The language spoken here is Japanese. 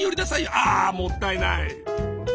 あもったいない！